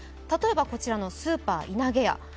例えばこちらのスーパーいなげや。